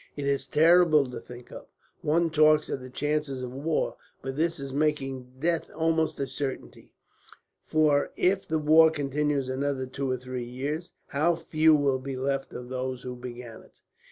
It is terrible to think of. One talks of the chances of war, but this is making death almost a certainty; for if the war continues another two or three years, how few will be left of those who began it!